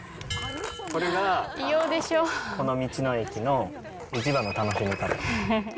これがこの道の駅の一番の楽しみ方。